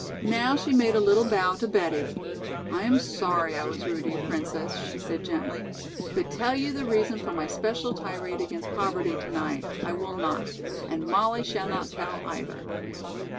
Now she made a little bow to Betty. "I am sorry I was rude to you, Princess," she said gently, "but tell you the reason for my special tirade against poverty to night, I will not and Mollie shall not tell either."